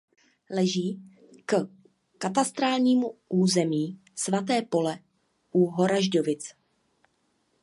Leží k katastrálním území Svaté Pole u Horažďovic.